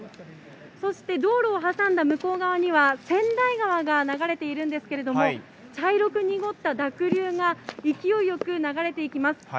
そして道路を挟んだ向こう側には、川内川が流れているんですけれども、茶色く濁った濁流が勢いよく流れていきます。